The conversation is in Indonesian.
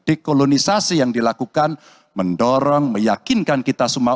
dekolonisasi yang dilakukan mendorong meyakinkan kita semua